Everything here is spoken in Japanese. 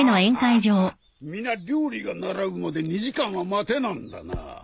皆料理が並ぶまで２時間は待てなんだな。